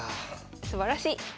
すばらしい。